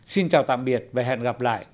xin chào tạm biệt và hẹn gặp lại